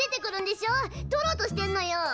とろうとしてんのよ！